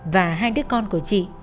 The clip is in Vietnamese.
và hai đứa con của chị